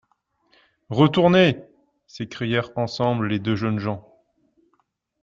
Retourner ! s'écrièrent ensemble les deux jeunes gens.